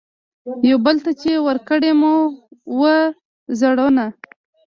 یوه بل ته چي ورکړي مو وه زړونه